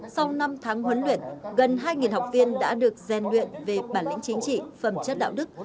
sau năm tháng huấn luyện gần hai học viên đã được gian luyện về bản lĩnh chính trị phẩm chất đạo đức